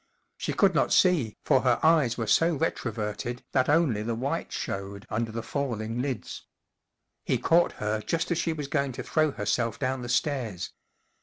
She could not see, for her eyes were so retroverted that only the whites showed under the falling lids. He caught her just as she was going to throw herself down the stairs.